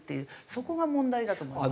そこが問題だと思います。